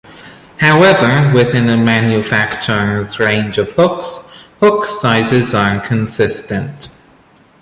However, within a manufacturer's range of hooks, hook sizes are consistent.